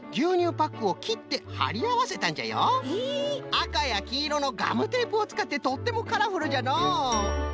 あかやきいろのガムテープをつかってとってもカラフルじゃのう。